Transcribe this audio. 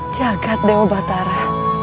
jagat dewa batara